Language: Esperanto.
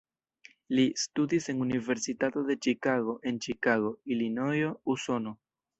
Li studis en Universitato de Ĉikago en Ĉikago, Ilinojo, Usono.